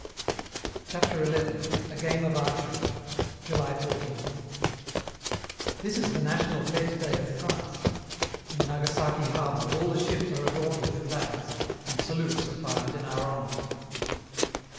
CHAPTER XI. A GAME OF ARCHERY July 14th. This is the National Fete day of France. In Nagasaki Harbor, all the ships are adorned with flags, and salutes are fired in our honor.